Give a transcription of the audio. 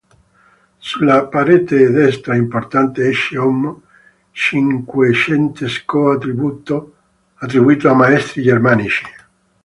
Sulla parete destra importante "Ecce Homo" cinquecentesco attribuito a maestri germanici.